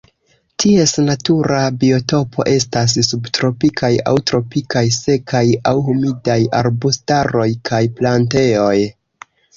Ties natura biotopo estas subtropikaj aŭ tropikaj sekaj aŭ humidaj arbustaroj kaj plantejoj.